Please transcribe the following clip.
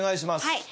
はい